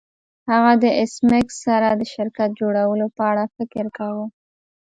هغه د ایس میکس سره د شرکت جوړولو په اړه فکر کاوه